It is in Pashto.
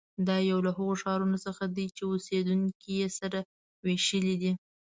دا یو له هغو ښارونو څخه دی چې اوسېدونکي یې سره وېشلي دي.